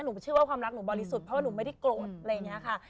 เชื่อว่าความรักหนูบริสุทธิ์เพราะว่าหนูไม่ได้โกรธอะไรอย่างนี้ค่ะ